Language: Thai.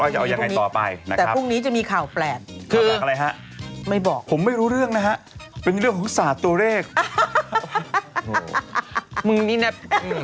แล้วก็พรุ่งนี้ก็แม่งครับ